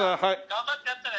「頑張ってやってね」